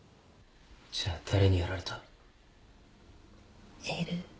じゃあ誰にやられた？